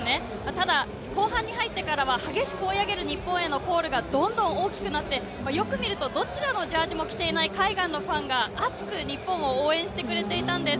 ただ、後半に入ってからは、激しく追い上げる日本へのコールがどんどん大きくなって、よく見ると、どちらのジャージも着ていない海外のファンが、熱く日本を応援してくれていたんです。